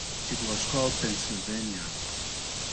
It was called Pennsylvania.